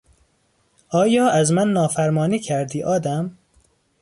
آیا از من نافرمانی کردی آدم؟